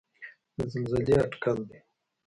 د زلزلې اټکل دی.